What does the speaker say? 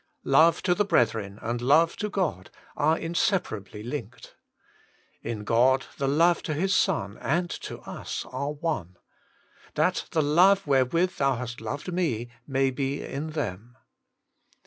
Love to the brethren and love to God are inseparably linked. In God, the love to His Son and to U8 are one: *That the love wherewith Thou hast loved Me, may be in them.'